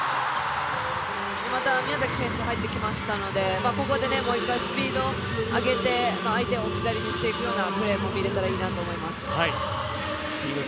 また宮崎選手入ってきましたので、ここでもう一回スピードを上げて相手を置き去りにしていくようなプレーも見れたらいいなと思います。